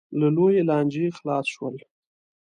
له لویې لانجې خلاص شول.